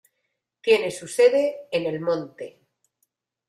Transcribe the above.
Tiene su sede en El Monte.